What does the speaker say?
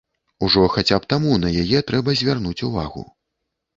Ужо хаця б таму на яе трэба звярнуць увагу.